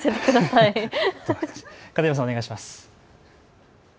片山さん、お願いします。